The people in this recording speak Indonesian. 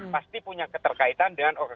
pasti punya keterkaitan dengan